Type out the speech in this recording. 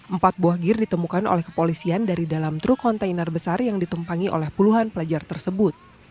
empat buah gear ditemukan oleh kepolisian dari dalam truk kontainer besar yang ditumpangi oleh puluhan pelajar tersebut